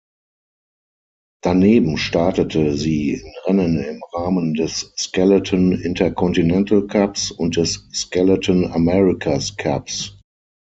Daneben startete sie in Rennen im Rahmen des Skeleton-Interkontinantalcups und des Skeleton-America’s-Cups.